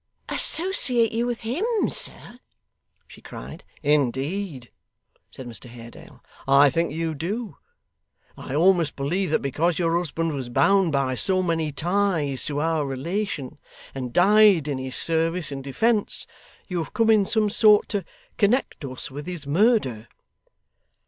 'Associate you with him, sir!' she cried. 'Indeed,' said Mr Haredale, 'I think you do. I almost believe that because your husband was bound by so many ties to our relation, and died in his service and defence, you have come in some sort to connect us with his murder.